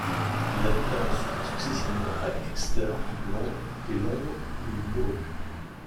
Il habita ensuite successivement à Exeter, Londres, et Londres, où il mourut.